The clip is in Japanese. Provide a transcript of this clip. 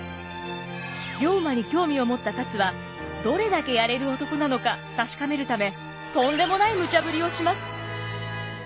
龍馬に興味を持った勝はどれだけやれる男なのか確かめるためとんでもないムチャぶりをします。